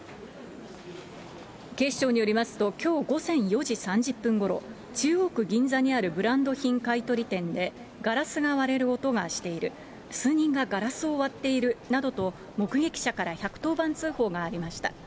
警視庁によりますと、きょう午前４時３０分ごろ、中央区銀座にあるブランド品買い取り店で、ガラスが割れる音がしている、数人がガラスを割っているなどと、目撃者から１１０番通報がありました。